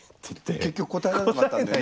結局答えられなかったんだよね